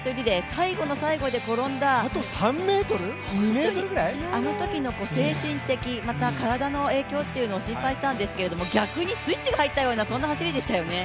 最後の最後で転んだあのときの精神的、また体の影響っていうのを心配していたんですけれども逆にスイッチが入ったような、そんな走りでしたね